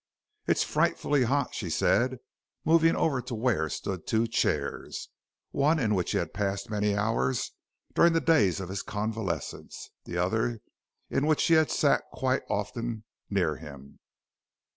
"It is frightfully hot," she said, moving over to where stood two chairs one in which he had passed many hours during the days of his convalescence, the other in which she had sat quite often near him.